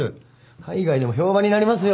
海外でも評判になりますよ。